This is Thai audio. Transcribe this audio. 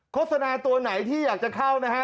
โฆษณาตัวไหนที่อยากจะเข้านะฮะ